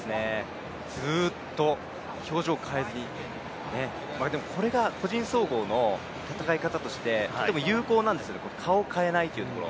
ずっと表情変えずにでもこれが個人総合の戦い方としてとても有効なんですよ、顔変えないというところ。